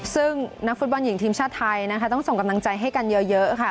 ซึ่งนักฟุตบอลหญิงทีมชาติไทยนะคะต้องส่งกำลังใจให้กันเยอะค่ะ